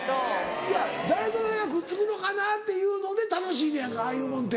いや誰と誰がくっつくのかな？っていうので楽しいのやんかああいうもんて。